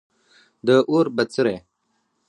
د اور بڅری